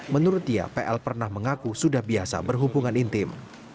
menurut dia pl pernah mengaku sudah biasa berhubungan intim